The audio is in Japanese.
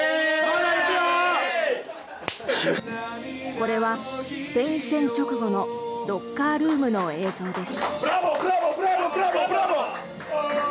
これは、スペイン戦直後のロッカールームの映像です。